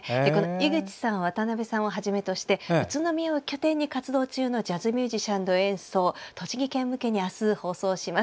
井口さん、渡辺さんをはじめとして、宇都宮を拠点に活動中のジャズミュージシャンの演奏栃木県向けに明日放送します。